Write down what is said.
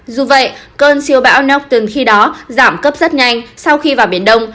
dù vậy cơn siêu bão nóc từng khi đó giảm cấp rất nhanh sau khi vào biển đông